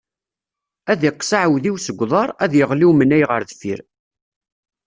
Ad iqqes aɛawdiw seg uḍar, ad iɣli umnay ɣer deffir.